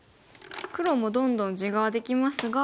黒もどんどん地ができますが。